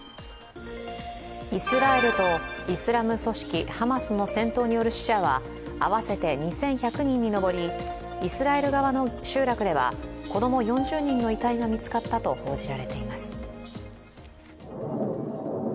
イスラエルとイスラム組織ハマスの戦闘による死者は合わせて２１００人に上り、イスラエル側の集落では子供４０人の遺体が見つかったと報じられています。